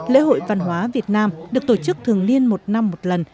lễ hội văn hóa việt nam được tổ chức thường liên một năm một lần